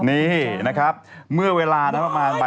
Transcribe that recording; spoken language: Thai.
นี่นะครับเมื่อเวลานั้นประมาณ